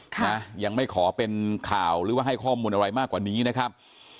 นะยังไม่ขอเป็นข่าวหรือว่าให้ข้อมูลอะไรมากกว่านี้นะครับ